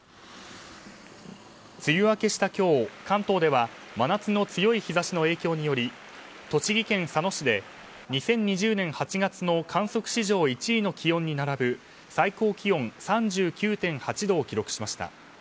梅雨明けした今日、関東では真夏の強い日差しの影響により栃木県佐野市で２０２０年８月の観測史上１位の気温に並ぶ最高気温３９．８度を記録しました。